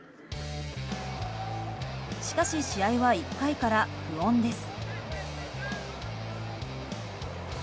しかし、試合は１回から不穏です。